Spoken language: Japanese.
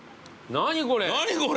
何これ！